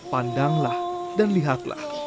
pandanglah dan lihatlah